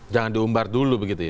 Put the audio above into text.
jangan diumbar dulu begitu ya